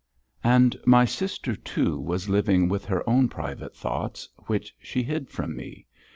XIV And my sister, too, was living with her own private thoughts which she hid from me.